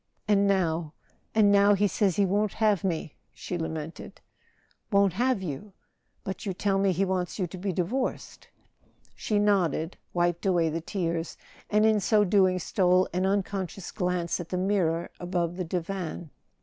"And now—and now—he says he won't have me!" she lamented. " Won't have you ? But you tell me he wants you to be divorced." She nodded, waped away the tears, and in so doing stole an unconscious glance at the mirror above the divan.